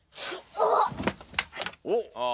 おっ！